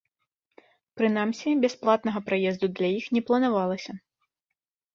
Прынамсі, бясплатнага праезду для іх не планавалася.